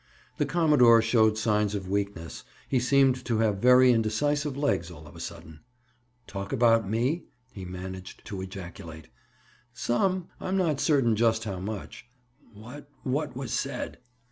The commodore showed signs of weakness. He seemed to have very indecisive legs all of a sudden. "Talk about me?" he managed to ejaculate. "Some. I'm not certain just how much." "What—what was said?"